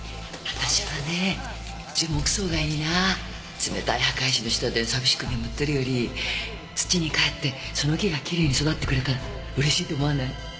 冷たい墓石の下で寂しく眠ってるより土にかえってその木がきれいに育ってくれたらうれしいと思わない？